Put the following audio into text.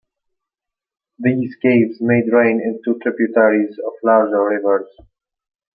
These caves may drain into tributaries of larger rivers.